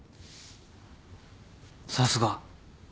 さすが。